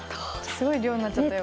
すごい量になっちゃったよ。